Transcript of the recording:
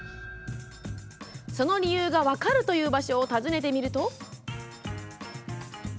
その理由が分かるという場所を訪ねてみると。